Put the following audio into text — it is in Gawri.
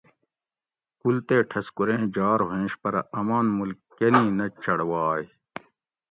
کُل تے ٹھسکوریں جار ہوئنش پرہ آمان ملک کنی نہ چڑواگ